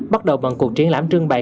bắt đầu bằng cuộc triển lãm trưng bày